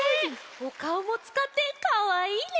おかおもつかってかわいいね！